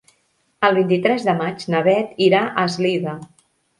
El vint-i-tres de maig na Beth irà a Eslida.